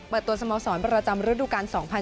เปิดตัวสมสอนประจำรดุการ๒๐๑๖